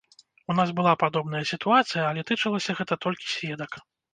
У нас была падобная сітуацыя, але тычылася гэта толькі сведак.